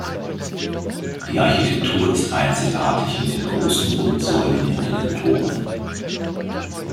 Die Architektur ist einzigartig mit den großen Rundsäulen hinter den Toren.